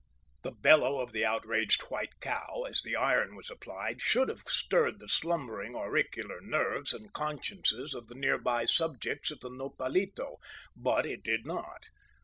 The bellow of the outraged white cow, as the iron was applied, should have stirred the slumbering auricular nerves and consciences of the near by subjects of the Nopalito, but it did not.